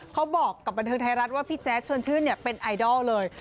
เขาบอกกับบันเทิงไทยรัฐว่าพี่แจ๊ดชวนชื่นเป็นไอดอลเลย